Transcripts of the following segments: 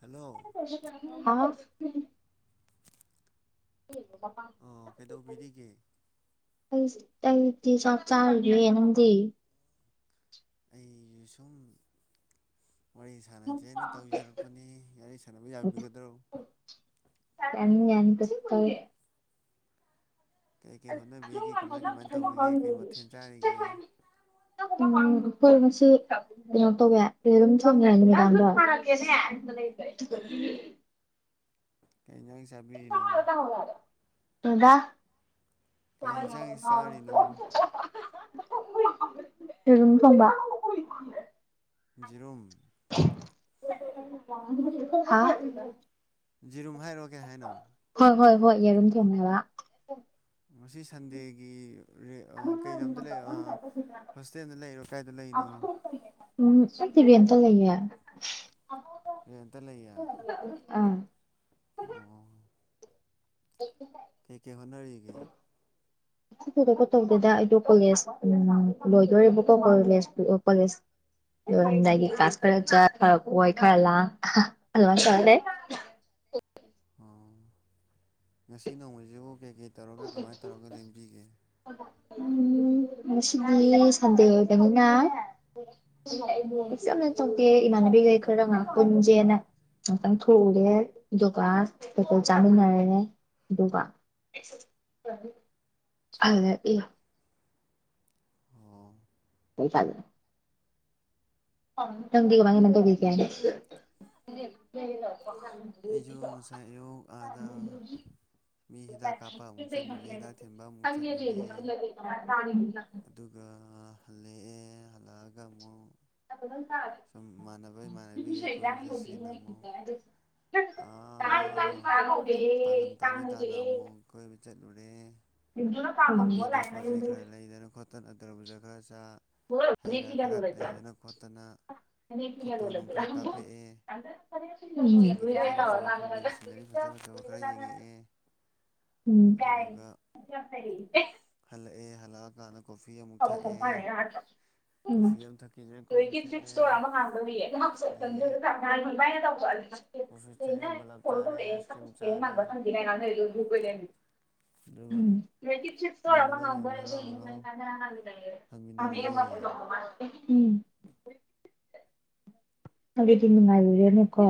Hello hello [unintelligible] ꯑꯣ ꯀꯩꯗꯧꯕꯤꯔꯤꯒꯦ ꯑꯩꯁ ꯑꯩꯗꯤ ꯆꯥꯛꯔꯨꯒꯦ ꯅꯪꯗꯤ ꯑꯩꯁꯨ ꯁꯨꯝ ꯋꯥꯔꯤ ꯁꯥꯟꯅꯖꯦꯅ ꯇꯧꯖꯔꯛꯄꯅꯤ ꯋꯥꯔꯤ ꯁꯥꯟꯅꯕ ꯌꯥꯕꯤꯒꯗ꯭ꯔꯣ ꯌꯥꯅꯤ ꯌꯥꯅꯤ ꯀꯩ ꯀꯩ ꯍꯣꯠꯅꯕꯤꯔꯤꯒꯦ ꯀꯃꯥꯏ ꯀꯃꯥꯏꯅ ꯇꯧꯔꯤꯒꯦ ꯀꯩ ꯃꯊꯦꯜ ꯆꯥꯔꯤꯒꯦ [inaudible] ꯎꯝ ꯈꯣꯏ ꯉꯁꯤ ꯀꯩꯅꯣ ꯇꯧꯋꯦ ꯕꯦ ꯑꯗꯨꯝ ꯊꯪꯉꯅꯤ ꯃꯦꯗꯥꯝꯗꯣ ꯀꯩꯅꯣ ꯑꯥꯏꯖ ꯇꯥꯕꯤꯔꯤꯅꯣ ꯍꯗ ꯀꯩ ꯏꯟꯁꯥꯡ ꯆꯥꯔꯤꯅꯣ [unintelligible] [inaudible] ꯌꯦꯔꯨꯝ ꯊꯣꯡꯕ ꯌꯦꯔꯨꯝ [unintelligible] ꯍꯥ ꯖꯤꯔꯨꯝ ꯍꯥꯏꯔꯣ ꯀꯩ ꯍꯥꯏꯅꫭ ꯍꯣꯏ ꯍꯣꯏ ꯍꯣꯏ ꯌꯦꯔꯨꯝ ꯊꫭꯡꯉꯦꯕ ꯉꯁꯤ ꯁꯟꯗꯦꯒꯤ ꯀꯩ ꯂꯝꯗ ꯂꯩꯔꯤꯅꫭ ꯑꯥ ꯍꫭꯁꯇꯦꯗ ꯂꯩꯔꯤꯅꫭ ꯀꯥꯏꯗꯦ ꯂꯩꯔꯤꯅꫭ ꯎꯝ ꯑꯩꯗꯤ ꯔꯦꯜꯗ ꯂꯩꯌꯦ ꯔꯦꯜꯗ ꯂꯩꯌꯦ ꯑꯥ ꯑꯣ [inaudible] ꯀꯩ ꯀꯩ ꯍꯣꯠꯅꯔꯤꯒꯦ ꯀꯧꯁꯨ ꯊꫭꯏꯗꫭꯛꯄ ꯇꯧꯗꯦꯗ ꯑꯩꯗꯣ ꯀꯣꯂꯦꯖ ꯎ ꯂꯣꯏꯗꯣꯔꯦꯕꯀꯣ ꯀꯣꯂꯦꯖ ꯀꯣꯂꯦꯖ ꯑꯗꯨꯒꯤ ꯀꯥꯁ ꯈꯔ ꯆꯠ ꯈꯔ ꯀꫭꯏ ꯈꯔ ꯂꯥꯜ ꯊꯧꯔꯥꯥ ꯂꯩ ꯑꯣ ꯉꯁꯤ ꯅꯣꯡꯃꯁꯤꯕꯨ ꯀꯩꯀꯩ ꯇꯧꯔꯒ ꯀꯃꯥꯏ ꯇꯧꯔꯒ ꯂꯦꯡꯕꯤꯒꯦ ꯎꯨꯝ ꯉꯁꯤꯒꯗꯤ ꯁꯟꯗꯦ ꯑꫭꯏꯕꯅꯤꯅ ꯑꯁ ꯌꯥꯝꯅ ꯇꯧꯗꯦ ꯏꯃꯥꯟꯅꯕꯤꯈꯩ ꯈꯔ ꯄꯨꯟꯁꯦꯅ ꯉꯥꯛꯇꯪ ꯊꯣꯛꯎꯒꯦ ꯑꯗꯨꯒ ꯀꯩꯀꯩ ꯆꯥꯃꯤꯟꯅꯔꯦ ꯑꯗꯨꯒ ꯍꯂꯛꯏ ꯍꯣ ꯍ ꯐꯦ ꯣꯡꯇꯃꯅ ꯇ ꯀꯦ ꯑꯩꯖꯨ ꯉꯁꯥꯏ ꯑꯌꯨꯛ ꯑꯥꯗ ꯃꯤ ꯍꯤꯗꯥꯛ ꯀꯥꯞꯄ ꯑꯃꯨꯛ ꯆꯠꯂꯨꯔꯦ ꯍꯤꯗꯥꯛ ꯊꯤꯟꯕ ꯑꯃꯨꯛ ꯆꯠꯂꯨꯔꯦ ꯑ ꯑꯗꯨꯒ ꯍꯜꯂꯛꯑꯦ ꯍꯜꯂꯛꯑꯒ ꯑꯃꯨꯛ [unintelligible] ꯁꯨꯝ ꯏꯥꯟꯅꯕ ꯏꯃꯥꯟꯅꯕꯤꯒꯤ ꯀꯣꯏꯕ ꯆꯠꯁꯦꯅ ꯑꯃꯨꯛ ꯑꯥ ꯄꯥꯡꯒꯟ ꯇꯥꯕꯤ ꯇꯥꯅ ꯑꯃꯨꯛ ꯀꯣꯏꯕ ꯆꯠꯂꯨꯔꯦ [unintelligible] ꯂꯝꯕꯤꯗ ꯄꯣꯠ ꯆꯩ ꯈꯔ ꯂꯩꯗꯅ ꯈꯣꯠꯇꯅ ꯇ꯭ꯔꯕꯨꯖꯥ ꯈꯔ ꯆꯥ ꯍꯩ ꯔꯥ ꯈꯔ ꯂꯩꯗꯅ ꯈꯣꯠꯇꯅ ꯐꯣꯇꯣ ꯅꯨꯡ ꯈꯔ ꯀꯥꯞꯄꯛꯑꯦ [unintelligible] ꯆꯤꯡꯒꯤ ꯐꯖ ꯐꯖꯕ ꯃꯐꯝꯗꯨꯒꯤ ꯁꯤꯅꯔꯤ ꯐꯖ ꯐꯖꯕ ꯈꯔ ꯌꯦꯡꯉꯛꯑꯦ [unintelligible] ꯎꯝ ꯑꯗꯨꯗꯨꯒ ꯍꯜꯂꯛꯑꯦ ꯍꯜꯂꯛꯑꯀꯥꯟꯗ ꯀꯣꯐꯤ ꯑꯃꯨꯛ ꯊꯛꯑꯦ ꯎꯝ ꯀꯣꯐꯤ ꯑꯃꯝ ꯊꯛꯀꯤꯁꯤꯦ ꯀꯣꯐꯤ ꯂꯩ [unintelligible] ꯕꯂꯞ ꯆꯥꯔꯦ ꯑꯥꯏꯁ ꯀ꯭ꯔꯤꯝ ꯔ ꯆꯥꯔꯦ [unintelligible] ꯑꯗꯨꯒ ꯏꯃꯥꯟꯅꯕ [unintelligible] ꯍꯟꯃꯤꯅꯔꯦꯑꯦ ꯎꯝ ꯑꯗꯨꯗꯤ ꯅꯨꯡꯉꯥꯏꯔꯣꯏꯍꯦ ꯃꯨꯀꯥ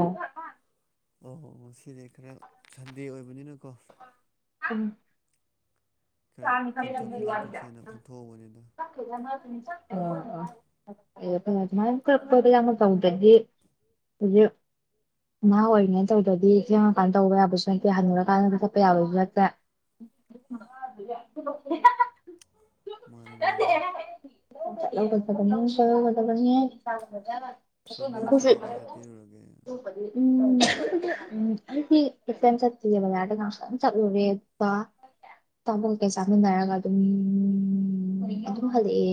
ꯑꯣ ꯉꯁꯤꯗꯤ ꯈꯔ ꯁꯟꯗꯦ ꯑꯣꯏꯕꯅꯤꯅꯀꯣ ꯎꯝ ꯈꯔ ꯄꯨꯟꯊꯣꯛꯁꯤ ꯂꯥꯟꯊꯣꯛꯁꯦ ꯍꯥꯏꯅ ꯄꯨꯟꯊꯣꯛꯍꯧꯕꯅꯤꯅ ꯑꯣ꯫ ꯇꯧꯗꯗꯤ ꯍꯨꯖꯤ ꯅꯍꯥ ꯑꯣꯏꯔꯤꯉꯩ ꯇꯧꯗ꯭ꯔꯗꯤ ꯁꯦꯝꯉꯀꯥꯟꯗ ꯇꯧꯕ ꯌꯥꯕꯁꯨ ꯅꯠꯇꯦ ꯍꯜꯂꯨꯔꯀꯥꯟꯗ ꯊꯠꯄ ꯌꯥꯕꯁꯨ ꯅꯠꯇꯦ꯫ ꯃꯥꯅꯦ ꯃꯥꯅꯦ ꯅꯠꯇꯦꯍꯦ꯫ ꯂꯧꯒꯗꯕꯅꯦ꯫ ꯁ꯫ ꯁꯣꯝꯗꯤ ꯉꯁꯤ ꯀꯥꯏ ꯀꯥꯏ ꯆꯠꯄꯤꯔꯨꯔꯒꯦ ꯎꯝ ꯎꯝ ꯑꯩꯗꯤ ꯇꯨꯏꯁꯟ ꯆꯠꯇꯤꯌꯦ ꯕꯖꯥꯔꯗ ꯉꯥꯛꯇꯪ ꯆꯠꯂꯨꯔꯦ ꯑꯗꯨꯒ ꯑꯆꯥꯄꯣꯠ ꯀꯩꯀꯩ ꯆꯥꯃꯤꯟꯅꯔꯒ ꯑꯗꯨꯝ ꯑꯗꯨꯝ ꯍꯜꯂꯛꯑꯦ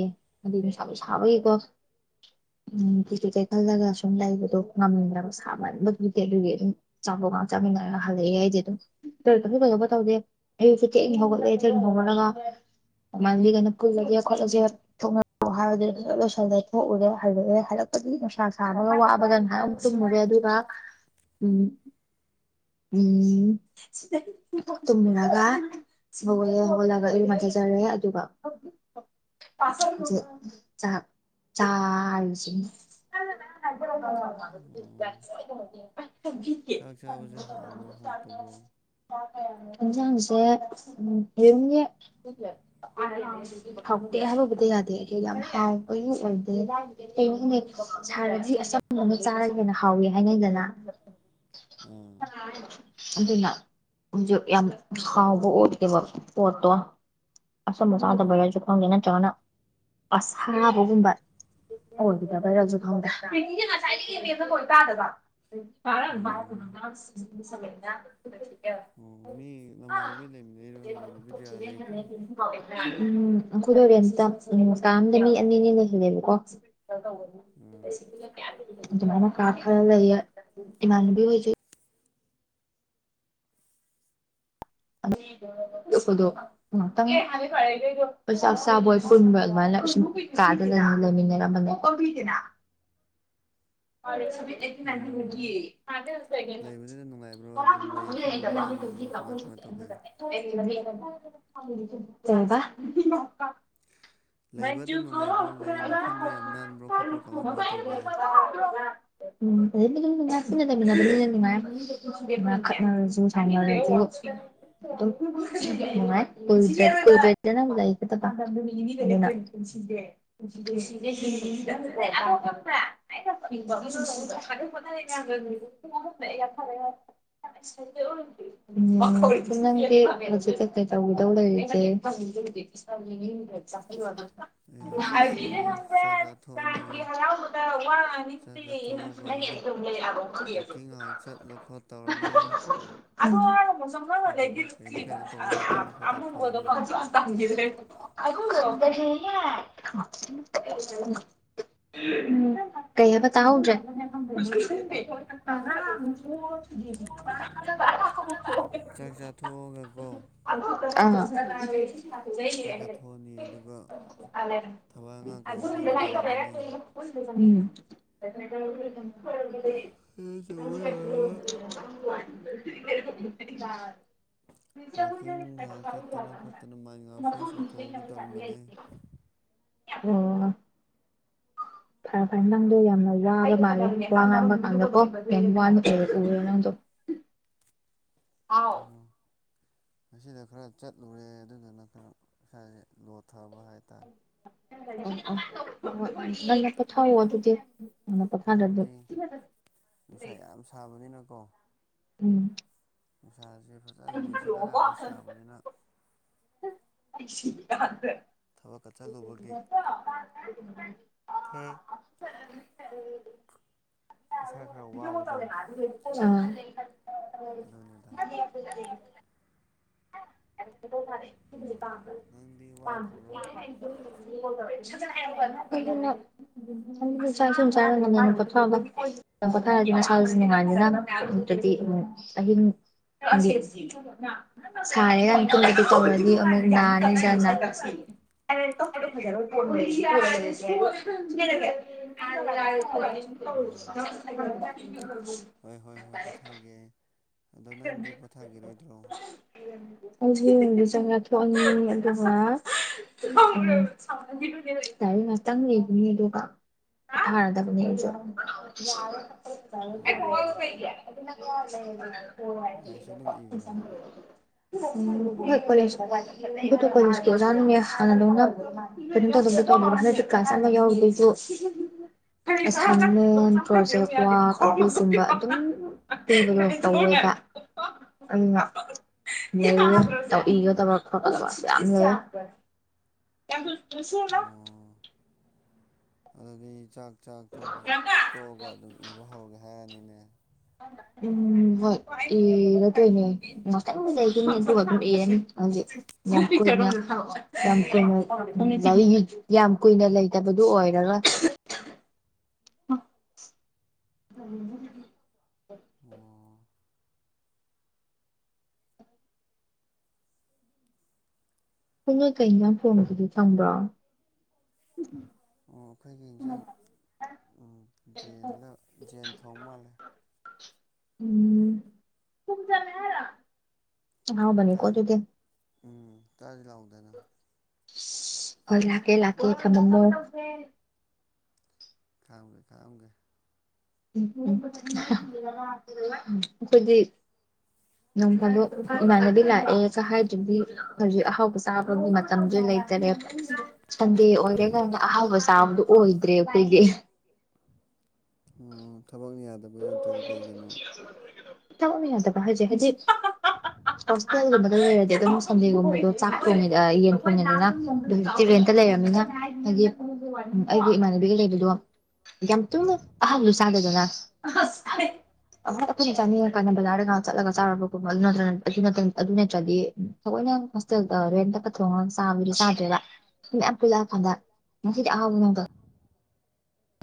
ꯑꯗꯨ ꯅꯨꯡꯁꯥꯕꯤ ꯁꯥꯕꯒꯤꯀꯣ [inaudible] ꯎꯝ ꯇꯤꯀꯦꯠ ꯀꯩ ꯈꯜꯂꯒ ꯁꯨꯝ ꯂꯩꯕꯗꯣ ꯉꯝꯗ꯭ꯔꯕ ꯁꯥꯃꯟꯕꯗꯨꯗꯤ ꯑꯗꯨꯒꯤ ꯑꯗꯨꯝ ꯆꯥꯕꯒ ꯆꯥꯃꯤꯟꯅꯔꯒ ꯍꯜꯂꯛꯑꯦ ꯑꯩꯗꯤ ꯑꯗꯨꯝ ꯀꯔꯤ ꯀꯁꯨ ꯀꯩꯗꯧꯕ ꯇꯧꯗꯦ ꯑꯌꯨꯛ ꯊꯦꯡ ꯍꯧꯒꯠꯂꯦ ꯊꯦꯡ ꯍꯧꯒꯠꯂꯒ ꯏꯃꯥꯟꯅꯕꯤꯒꯩ ꯄꯨꯜꯂꯒꯦ ꯈꯣꯠꯂꯖꯦ ꯊꯣꯛꯅꯔꯎ ꯍꯥꯏꯕꯗꯨ ꯂ ꯂꯣꯏꯁꯤꯜꯂꯦ ꯊꯣꯛꯎꯔꯦ ꯍꯜꯂꯛꯑꯦ ꯍꯜꯂꯛꯄꯗꯤ ꯅꯨꯡꯁꯥ ꯁꯥꯕꯒ ꯋꯥꯕꯒꯅ ꯍꯥꯏꯔ꯫ ꯇꯨꯝꯃꯨꯔꯦ ꯑꯗꯨꯒ ꯎꯝ ꯎꯝ ꯇꯨꯝꯃꯒ ꯍꯧꯒꯠꯂꯦ ꯍꯧꯒꯠꯂꯒ ꯑꯗꯨ ꯏꯔꯨ ꯃꯥꯏꯊꯖꯔꯦ ꯑꯗꯨꯒ ꯆꯥ ꯆꯥꯁꯤ꯫ ꯑꯣ ꯆꯥꯛ ꯆꯥꯕꯁꯦ [unintelligible] ꯍꯥꯎꯕ꯭ꯔꯣ ꯍꯥꯎꯇꯕ꯭ꯔꯣ ꯌꯦꯟꯁꯥꯡꯁꯦ ꯌꯨꯝꯒꯤ꯫ ꯍꯥꯎꯇꯦ ꯍꯥꯏꯕꯕꯨꯗꯤ ꯌꯥꯗꯦꯦ ꯌꯥꯝ ꯍꯥꯎ ꯀ ꯑꯣꯏꯗꯦ꯫ ꯀꯩꯅꯣꯅꯦ ꯁꯥꯔꯗꯤ ꯑꯆꯪ ꯑꯃ ꯆꯥꯔꯒꯦꯅ ꯍꯥꯎꯋꯦ ꯍꯥꯏꯅꯩꯗꯅ꯫ ꯑꯥ ꯑꯗꯨꯅ ꯍꯧꯁꯨ ꯌꯥꯝ ꯍꯥꯎꯕ ꯑꯣꯏꯗꯦꯕ ꯄꯣꯠꯇꯣ ꯑꯁꯨꯝ ꯑꯁꯥꯗꯕꯔꯁꯨ ꯈꯪꯗꯦ ꯅꯠꯇ꯭ꯔꯒꯅ ꯑꯁꯥꯕꯒꯨꯝꯕ ꯖ ꯑꯣ ꯊꯗ ꯑꯣ ꯃꯤ [unintelligible] ꯅꯃꯥꯟꯅꯕꯤ ꯂꯩꯃꯤꯟꯅꯩꯔꯣ ꯅꯃꯥꯟꯅꯕꯤ ꯀꯌꯥ ꯂꯩꯒꯦ ꯎꯝ ꯑꯈꯣꯏꯗꯣ ꯔꯦꯟꯠꯇ ꯎꯝ ꯀꯥ ꯑꯝꯗ ꯃꯤ ꯑꯅꯤꯅꯤ ꯂꯩꯍꯜꯂꯦꯕꯀꯣ ꯃꯅ ꯀꯥ ꯈꯔ ꯂꯩ ꯏꯃꯅꯕꯤ ꯑꯣꯏꯁꯨ ꯍꯗꯣ [unintelligible] ꯉꯍꯥꯛꯇꯪ ꯆꯥꯛ ꯆꯥꯕꯣꯏ ꯄꯨꯟꯕ ꯑꯗꯨꯃꯥꯏꯁꯨꯝ ꯀꯥꯗ ꯂꯩꯃꯤꯟꯅꯔꯝꯕꯅꯦ ꯀꯕꯤꯒꯤꯅ ꯑꯣ [unintelligible] ꯂꯩꯕꯗꯨꯗ ꯅꯨꯡꯉꯥꯏꯕ꯭ꯔꯣ ꯑꯗꯨꯝ ꯂꯩꯌꯦꯐꯝꯗꯨꯝ ꯅꯥꯟꯕ꯭ꯔꯣ ꯀꯃꯥꯏ ꯀꯃꯥꯏ ꯇꯧꯒꯦ [unintelligible] ꯀꯩꯕ [unintelligible] ꯄꯨꯟꯅꯥ ꯂꯩꯕ ꯑꯗꯨꯝ ꯅꯨꯡꯉꯥꯏꯕ꯭ꯔꯣ ꯂꯩ ꯃꯐꯝꯗꯨ ꯌꯥꯝ ꯅꯥꯟꯕ꯭ꯔꯣ ꯈꯣꯠꯄ꯭ꯔꯣ ꯀꯃꯥꯏ ꯀꯃꯥꯏ ꯇꯧꯒꯦ ꯂꯩꯃꯤꯟꯅꯕꯅꯤ ꯅꯥ ꯅꯨꯡꯉꯥꯏ ꯈꯠꯅꯔꯖꯨ ꯁꯥꯎꯅꯔꯖꯨ ꯅꯨꯉꯥꯏ [unintelligible] [unintelligible] [unintelligible] [unintelligible] ꯎꯝ ꯅꯪ ꯍꯨꯖꯤꯛ ꯀꯩ ꯀꯩ ꯇꯧꯗꯣꯏ ꯂꯩꯔꯤꯒꯦ ꯑꯩ ꯍꯧꯖꯤꯛꯁꯦ ꯆꯥꯛ ꯆꯥꯊꯣꯛꯑꯅꯤ ꯆꯥꯛ ꯆꯥꯊꯣꯛꯑꯒ ꯋꯥꯛꯀꯤꯡ ꯉꯥꯏꯍꯥꯛ ꯆꯠꯂ ꯈꯣꯠ ꯇꯧꯔꯅꯤ [unintelligible] [unintelligible] [unintelligible] ꯑꯗꯨꯗꯨꯒ ꯀꯩꯅꯣ ꯀꯩꯅꯣ ꯇꯧꯕ ꯌꯥꯕ ꯊꯕꯛ ꯈꯔ ꯇꯧꯊꯣꯛꯑꯅꯤ [unintelligible] [unintelligible] ꯀꯩꯕ ꯇꯥꯍꯧꯗ꯭ꯔꯦ [unintelligible] [unintelligible] ꯆꯥꯛ ꯆꯥꯛ ꯊꯒꯦꯀꯣ ꯆꯥꯛ ꯆꯥꯊꯣꯛꯑꯅꯤ ꯑꯗꯨꯒ ꯑꯥ ꯊꯕꯛ ꯑꯉꯥꯡ ꯀꯩꯅꯣ ꯀꯩꯅꯣ ꯇꯧꯔꯝꯃꯅꯤ [unintelligible] ꯈꯔ [unintelligible] ꯇꯧꯕ ꯂꯣꯏꯔꯒ [unintelligible] ꯋꯥꯛꯀꯤꯡ ꯉꯥꯏꯍꯥꯛ ꯆꯠꯇꯅ ꯈꯣꯠꯇꯅ ꯃꯥꯏꯟ ꯉꯥꯏꯍꯥꯛ ꯐ꯭ꯔꯦꯁ ꯑꯣꯏꯊꯣꯛꯑꯒ ꯇꯧꯔꯝꯕꯅꯦ꯫ ꯎꯝ ꯅꯪꯗꯣ ꯌꯥꯝꯅ ꯋꯥꯔ ꯃꯥꯜꯂꯦ ꯋꯥ ꯉꯥꯡꯕꯀꯥꯟꯗꯀꯣ ꯌꯥꯝ ꯋꯥꯅ ꯀꯔꯛ ꯎꯔꯦ ꯅꯪꯗꯣ ꯎꯝ ꯉꯁꯤꯅ ꯈꯔ ꯆꯠꯂꯨꯔꯦ ꯑꯗꯨꯗꯨꯅ ꯈꯔ ꯏꯁꯥꯖꯦ ꯂꯣꯊꯕ ꯍꯥꯏꯇꯥꯔꯦ ꯅꯪꯅ ꯄꯣꯊꯥꯑꯣ ꯑꯗꯨꯗꯤ ꯅꯪꯅ ꯄꯣꯊꯥꯗꯗꯤ꯫ ꯍꯥꯏꯕꯗꯤ ꯅꯨꯡꯁꯥ ꯌꯥꯝ ꯁꯥꯕꯅꯤꯅꯀꯣ꯫ ꯎꯝ ꯅꯨꯡꯁꯥꯁꯦ ꯐꯖꯅ ꯍꯧꯖꯤꯛ ꯁꯛꯀꯒ ꯀꯩ ꯁꯥꯕꯅꯤꯅ꯫ [unintelligible] ꯊꯕꯛꯀ ꯆꯠꯂꯨꯕꯒꯤ ꯈꯔ ꯏꯁꯥ ꯈꯔ ꯋꯥꯕꯗꯣ꯫ ꯑ꯫ ꯑꯗꯨꯅꯤꯗ [unintelligible] [unintelligible] ꯅꯪꯗꯤ ꯋꯥꯗꯕ꯭ꯔꯣ [unintelligible] ꯇꯪ ꯄꯣꯊꯥꯔꯗꯤ ꯃꯁꯥꯖꯨ ꯅꯨꯉꯥꯏꯖꯅꯤ ꯅꯇꯔꯗꯤ ꯃꯨꯛ ꯑꯍꯤꯡ [unintelligible] ꯁꯥꯏꯌꯦ ꯌꯥꯝ ꯊꯨꯝꯕꯗꯨ ꯊꯨꯃꯗꯤ ꯑꯃꯨꯛ ꯅꯥꯅꯤꯗꯅ [unintelligible] ꯎꯝ [unintelligible] ꯍꯣꯏ ꯍꯣꯏ ꯍꯣꯏ ꯄꯣꯊꯥꯒꯦ ꯑꯗꯣ ꯅꯪꯗꯤ ꯄꯣꯊꯥꯒꯤꯔꯣꯏꯗ꯭ꯔꯣ꯫ ꯑꯩꯗꯤ ꯍꯧꯖꯤꯛ ꯆꯥꯛ ꯆꯥꯊ‌ꯣꯛ ꯑꯅꯤ ꯑꯗꯨꯒ ꯑ ꯂꯥꯏꯔꯤꯛ ꯉꯥꯛꯇꯪ ꯌꯦꯡꯒꯤꯅꯤ ꯑꯗꯨꯒ ꯄ‌ꯣꯊꯥꯔꯗꯕꯅ‌ꯦ ꯑꯩ ꯑꯣ ꯖꯨ [unintelligible] ꯂꯥꯏꯁꯨ ꯑꯗꯨꯝ ꯏꯕ꯭ꯔꯣ ꯎ [unintelligible] ꯍꯥꯟꯅꯗꯧꯅ [unintelligible] ꯀꯂꯁ ꯑꯃ ꯌꯎꯗꯣꯏꯗꯨ ꯑꯁꯥꯏꯟꯃꯦꯟ ꯄ꯭ꯔꯣꯖꯦꯛ ꯋꯥꯛ ꯑꯗꯨꯒꯨꯝꯕ ꯑꯗꯨꯝ꯫ [unintelligible] ꯇꯧꯋ‌ꯦꯕ ꯑꯗꯨꯅ [unintelligible] ꯏꯒꯗꯕ ꯈ‌ꯣꯠꯀꯗꯕ ꯌꯥꯝ ꯂꯩꯌꯦ꯫ ꯌꯥꯝ ꯊꯨꯅ ꯊꯨꯅ ꯁꯨꯔꯨꯂꯥꯎ ꯑꯩ ꯆꯥꯛ ꯆꯥꯛ ꯇꯣꯛꯄ ꯇ‌ꯣꯛꯑꯒ ꯑꯗꯨꯝ ꯏꯕ ꯍꯧꯔꯒꯦ ꯍꯥꯏꯔꯅꯤꯅꯦ꯫ ꯎꯝ ꯍꯣꯏ ꯏ ꯔ ꯗ‌ꯣꯏꯅ‌ꯦ ꯉꯥꯇꯪ ꯂꯩꯈꯤꯅꯤ ꯑꯗꯨꯒ ꯏꯔꯅꯤ ꯍꯧꯖꯤꯛ ꯌꯥꯝ ꯀꯨꯅ ꯌꯥꯝ ꯀꯨꯏꯅ [unintelligible] ꯌꯥꯝ ꯀꯨꯏꯅ ꯂꯩꯇꯕꯗꯨ ꯑꯣꯏꯔꯔ‌ꯣꯏ [unintelligible] ꯑꯣ ꯀꯩ ꯅ‌ꯣꯏ ꯀ‌ꯩ ꯏꯟꯖꯥꯡ ꯐꯣꯡꯏꯗꯨꯗꯤ ꯈ‌ꯪꯕ꯭ꯔꯣ ꯑꯣ ꯑꯩꯈꯣꯏꯒꯤ ꯏꯟꯖꯥꯡ ꯑ ꯖ‌ꯦꯟ ꯂ ꯖ‌ꯦꯟ ꯊꯣꯡꯕ ꯃꯥꯜꯂꯦ ꯎꯝ ꯊꯨꯝ ꯆꯝꯃ‌ꯦ ꯍꯥꯏꯔ‌ꯣ ꯑꯍꯥꯎꯕꯅꯤ ꯀꯣ ꯆꯥꯅꯤꯡ ꯑꯗꯨꯗꯤ꯫ ꯎꯝ ꯇꯥꯖꯤ ꯂꯥꯎꯗꯅ꯫ ꯍꯣꯏ ꯂꯥꯛꯀꯦ ꯂꯥꯛꯀꯦ ꯊꯃꯝꯃꯣ ꯈꯥꯑꯝꯒꯦ ꯈꯥꯑꯝꯒꯦ ꯑꯈꯣꯏꯗꯤ ꯅꯣꯡ ꯐꯥꯗꯣꯛ ꯏꯃꯥꯟꯅꯕꯤ ꯂꯥꯛꯑꯦ ꯀ ꯍꯥꯏꯗꯔꯗꯤ ꯍꯧꯖꯤꯛ ꯑꯍꯥꯎꯕ ꯆꯥꯕꯒꯤ ꯃꯠ ꯃꯇꯝꯖꯨ ꯂꯩꯇꯔꯦꯕ ꯁꯟꯗꯦ ꯑꯣꯏꯔꯦ ꯀꯅ ꯑꯍꯥꯎꯕ ꯆꯥꯕꯗꯨ ꯑꯣꯏꯗ꯭ꯔꯦ ꯑꯩꯈꯣꯏꯒꯤ ꯑꯣ ꯊꯕꯛꯅ ꯌꯥꯗꯕꯒꯤ ꯅꯠꯇ꯭ꯔꯒ ꯀꯩꯒꯤꯅꯣ [unintelligible] ꯍꯣꯁꯇꯦꯜꯒꯨꯝꯕꯗ ꯂꯩꯔꯗꯤ ꯑꯗꯨꯝ ꯁꯟꯗꯦꯒꯨꯝꯕꯗꯣ ꯆꯥꯛ ꯊꯣꯡꯉꯦ ꯑ ꯌꯦꯟ ꯊꯣꯡꯉꯦꯗꯅ ꯑꯗꯨꯝ ꯔꯦꯟ ꯂꯩꯔꯝꯅꯤꯅ ꯍꯥꯏꯗꯤ ꯑꯩꯒꯤ ꯏꯃꯥꯟꯅꯕꯤꯒ ꯂꯩꯕꯗꯣ ꯌꯥꯝ ꯊꯨꯅ ꯑꯍꯜꯗꯨ ꯆꯥꯒꯗꯅ ꯑꯍꯣꯏ ꯑꯩꯈꯣꯏꯅ ꯆꯥꯅꯤꯡꯉꯀꯥꯟꯗ ꯕꯖꯥꯔꯒ ꯆꯠꯂꯒ ꯆꯥꯔꯕꯒꯨꯝꯕ ꯑꯗꯨ ꯅꯠꯇꯔꯥꯅ ꯑꯗꯨ ꯅꯠꯇ ꯑꯗꯨ ꯅꯠꯇꯔꯥꯗꯤ ꯊꯋꯣꯏꯅ ꯃꯁꯤꯗꯒ ꯔꯦꯟꯇꯀꯥ ꯊꯣꯛꯉꯥꯒ ꯆꯥꯕꯗꯤ ꯆꯥꯗꯔꯦꯕ ꯌꯥꯝ ꯄꯂ ꯐꯥꯟꯗ ꯉꯁꯤꯗꯤ ꯑꯍꯥꯎꯕ ꯅꯗꯣ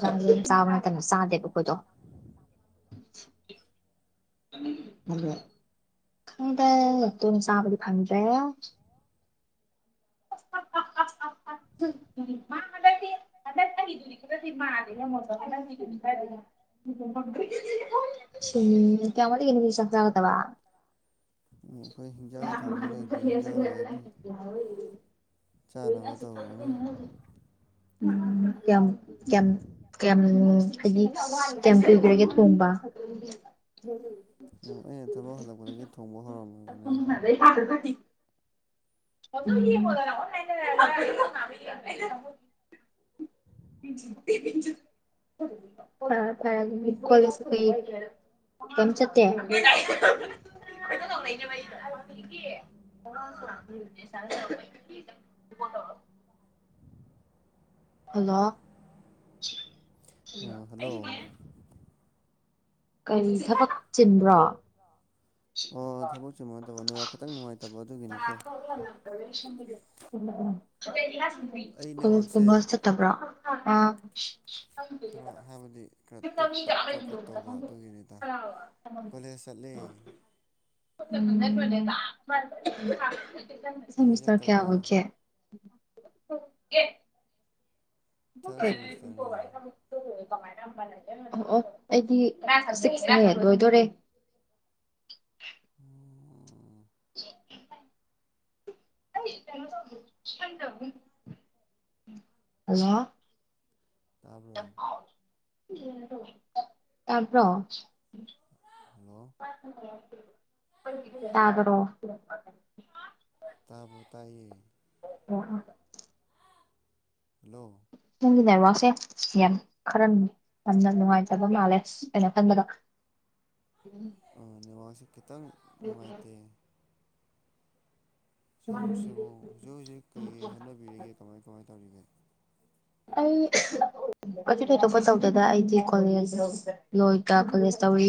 ꯑꯗꯨꯝ ꯆꯥꯕ ꯅꯠꯇꯅ ꯆꯥꯗꯦꯕ ꯑꯩꯈꯣꯏꯗꯣ ꯃꯗꯨ [inaudible] ꯐꯪꯗꯦ ꯑꯗꯨꯝ ꯆꯥꯕꯗꯤ ꯐꯪꯗ꯭ꯔꯦ [inaudible] [unintelligible] [unintelligible] ꯎꯝ ꯀꯌꯥꯝ ꯋꯥꯠꯂꯤꯒꯦ ꯅꯣꯢꯗꯤ ꯆꯥꯛ ꯆꯥꯒꯗꯕ ꯑꯩꯈꯣꯏ ꯍꯟꯖꯥꯡ ꯊꯣꯡꯕ ꯂꯩꯗ꯭ꯔꯤ ꯍꯟꯖꯥꯡꯒꯗꯤ ꯆꯥꯅꯕ ꯇꯧꯔꯅꯤ ꯎꯝ ꯌꯥꯝ ꯌꯥꯝ ꯀꯌꯥꯝ ꯍꯥꯏꯗꯤ ꯀꯌꯥꯝ ꯀꯨꯏꯈ꯭ꯔꯒꯦ ꯊꯣꯡꯕ ꯑꯣ ꯑꯩꯅ ꯊꯕꯛ ꯍꯜꯂꯛꯄꯗꯒꯤ ꯊꯣꯡꯕ ꯍꯧꯔꯝꯃꯕꯅꯦ [unintelligible] [unintelligible] [inaudible] [unintelligible] ꯀꯝ ꯆꯠꯇꯦ [unintelligible] ꯍꯜꯂꯣ ꯑꯣ ꯍꯜꯂꯣ ꯀꯔꯤ ꯊꯕꯛ ꯆꯤꯟꯕ꯭ꯔꯣ ꯑꯣ ꯊꯕꯛ ꯆꯤꯟꯕ ꯅꯠꯇꯕ ꯅꯦꯠꯋꯔꯛ ꯈꯤꯇꯪ ꯅꯨꯉꯥꯌ ꯑꯩ ꯅꯦꯠꯋꯥꯛꯁꯦ [unintelligible] ꯇꯕ꯭ꯔꯣ ꯑ ꯈꯔ ꯍꯥꯏꯕꯗꯤ ꯈꯔ ꯇꯠ ꯄꯠ ꯄꯠ ꯄꯠ ꯇꯧꯕ ꯑꯗꯨꯒꯤꯅꯤꯗ ꯀꯣꯂꯦꯖ ꯆꯠꯂꯦ ꯎꯝ ꯅꯪꯗꯤ ꯁꯦꯃꯤꯁꯇꯔ ꯀꯌꯥ ꯆꯠꯇꯕ꯭ꯔꯣ ꯑꯣꯏꯒꯦ [inaudible] ꯊꯥꯔ ꯁꯤꯃꯤꯁꯇꯔꯅꯦ ꯑꯣ ꯑꯣ ꯑꯩꯗꯤ ꯁꯤꯛꯁꯅꯦ ꯂꯣꯏꯗꯣꯔꯦ ꯎꯝ [inaudible] ꯍꯜꯂꯣ ꯇꯥꯕ꯭ꯔꯣ ꯇꯄꯔꯣ ꯍꯜꯂꯣ ꯇꯥꯕꯔꯣ ꯇꯥꯕꯔ‌ꯣ ꯇꯥꯏꯌꯦ ꯑꯣ ꯍꯜꯂꯣ ꯅꯪꯒꯤ ꯅꯦꯠꯋꯥꯛꯁꯦ ꯌꯥꯝ ꯈꯔ ꯌꯥꯝꯅ ꯅꯨꯡꯉꯥꯏꯇꯕ ꯃꯥꯜꯂꯦ ꯑꯩꯅ ꯈꯟꯕꯗ ꯎꯝ ꯑ ꯅꯦꯋꯥꯛꯁꯦ ꯈꯤꯇꯪ ꯅꯨꯡꯉꯥꯏꯇꯦ ꯁꯣꯝꯁꯤꯕꯨ ꯍꯧꯖꯤꯛ ꯍꯧꯖꯤꯛ ꯀꯩꯀꯩ ꯍꯣꯠꯅꯕꯤꯔꯤꯒꯦ ꯀꯃꯥꯏ ꯀꯃꯥꯏ ꯇꯧꯔꯤꯒꯦ ꯑꯩ ꯑꯗꯨꯗꯤ ꯑꯇꯣꯞꯄ ꯇꯧꯗ‌ꯦꯗ ꯑꯩꯗꯤ ꯀꯣꯂꯦꯖ ꯂꯣꯏ ꯗ ꯀꯣꯂꯦꯖ ꯇꯧꯔꯤ